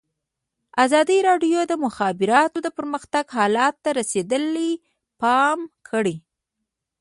ازادي راډیو د د مخابراتو پرمختګ حالت ته رسېدلي پام کړی.